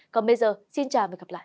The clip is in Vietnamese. còn bây giờ xin chào và hẹn gặp lại